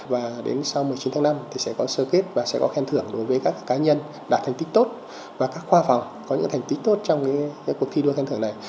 và đến sau một mươi chín tháng năm thì sẽ có sơ kết và sẽ có khen thưởng đối với các cá nhân đạt thành tích tốt và các khoa phòng có những thành tích tốt trong cuộc thi đua khen thưởng này